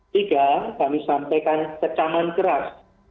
tiga kami sampaikan kecaman keras